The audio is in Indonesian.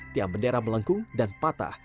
tiang bendera melengkung dan patah